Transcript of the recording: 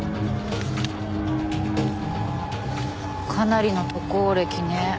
かなりの渡航歴ね。